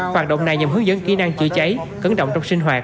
hoạt động này nhằm hướng dẫn kỹ năng chữa cháy cứng động trong sinh hoạt